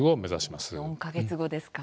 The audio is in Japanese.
４か月後ですか。